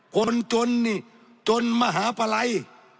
คนจนนี่จนมหาปะไหล่